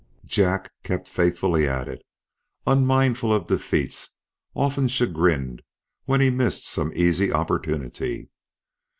Jack kept faithfully at it, unmindful of defeats, often chagrined when he missed some easy opportunity.